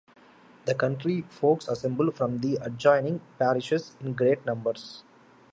The country folks assemble from the adjoining parishes in great numbers.